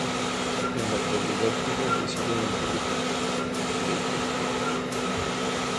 En la actualidad Curry reside en Toluca Lake, California.